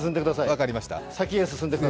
分かりました、